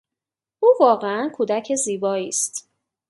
او واقعا" کودک زیبایی است.